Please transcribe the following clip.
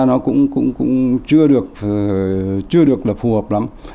nó cũng chưa được là phù hợp lắm